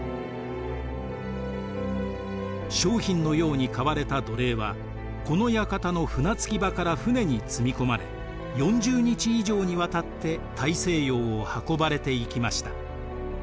商品のように買われた奴隷はこの館の船着き場から船に積み込まれ４０日以上にわたって大西洋を運ばれていきました。